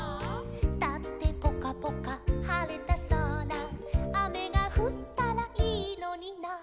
「だってぽかぽかはれたそら」「あめがふったらいいのにな」